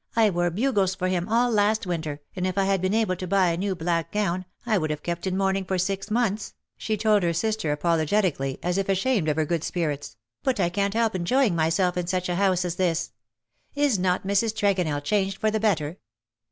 " I wore bugles for him all last winter, and if I had been able to buy a new black gown I would have kept in mourning for six mouths,'^ slio told her sister apologeticalty_, as if ashamed of her good spirits, " but I oanH help enjoying myself in such a house as this. Is not Mrs. Tregonell changed for the better